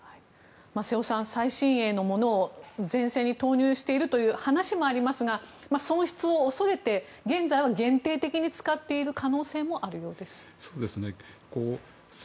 瀬尾さん、最新鋭のものを前線に投入しているという話もありますが損失を恐れて現在は限定的に使っている可能性もあるようです。